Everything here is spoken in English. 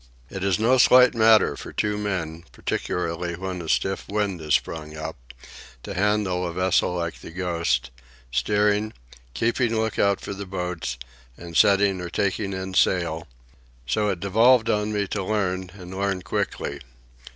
It is no slight matter for two men, particularly when a stiff wind has sprung up, to handle a vessel like the Ghost, steering, keeping look out for the boats, and setting or taking in sail; so it devolved upon me to learn, and learn quickly.